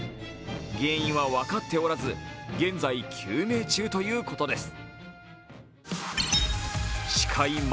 原因は分かっておらず現在、究明中ということです